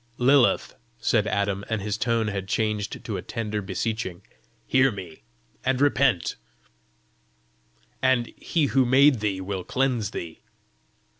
"Lilith," said Adam, and his tone had changed to a tender beseeching, "hear me, and repent, and He who made thee will cleanse thee!"